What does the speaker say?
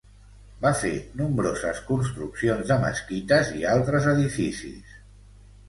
Va fer nombroses construccions de mesquites i altres edificis.